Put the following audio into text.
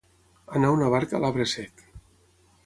Anar una barca a l'arbre sec.